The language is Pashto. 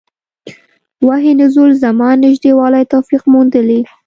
وحي نزول زمان نژدې والی توفیق موندلي.